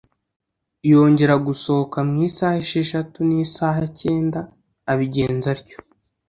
Yongera gusohoka mu isaha esheshatu n’isaha cyenda, abigenza atyo.